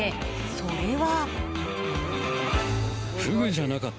それは。